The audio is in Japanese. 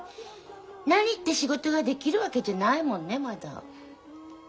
何って仕事ができるわけじゃないもんねまだ。